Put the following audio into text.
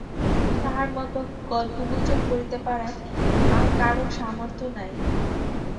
তাঁহার মতো গল্পগুজব করিতে পাড়ায় আর কাহারো সামর্থ্য নাই।